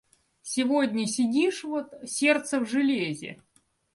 Сегодня сидишь вот, сердце в железе.